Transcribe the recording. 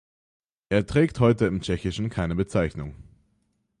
Er trägt heute im Tschechischen keine Bezeichnung.